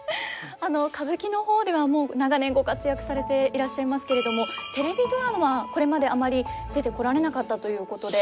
歌舞伎の方ではもう長年ご活躍されていらっしゃいますけれどもテレビドラマこれまであまり出てこられなかったということで。